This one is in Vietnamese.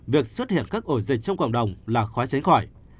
việc xuất hiện các ổ dịch trong cộng đồng là khó tránh khỏi